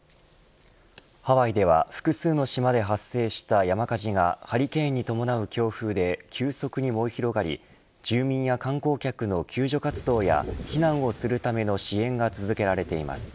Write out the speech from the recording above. ハワイでは複数の島で発生した山火事がハリケーンに伴う強風で急速に燃え広がり住民や観光客の救助活動や避難をするための支援が続けられています。